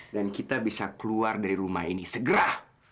dan kita bisa keluar dari rumah ini segera